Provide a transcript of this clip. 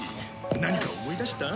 何か思い出した？